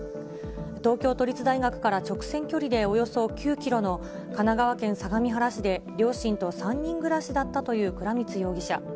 東京都立大学から直線距離でおよそ９キロの神奈川県相模原市で両親と３人暮らしだったという倉光容疑者。